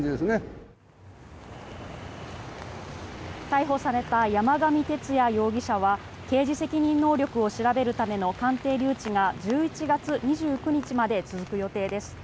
逮捕された山上徹也容疑者は刑事責任能力を調べるための鑑定留置が１１月２９日まで続く予定です。